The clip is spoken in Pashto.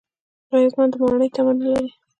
غیرتمند د ماڼۍ تمه نه لري